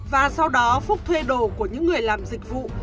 và sau đó phúc thuê đồ của những người làm dịch vụ